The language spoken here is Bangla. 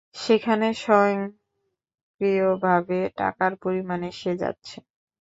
সেখানে স্বয়ংক্রিয়ভাবে টাকার পরিমাণ এসে যাচ্ছে।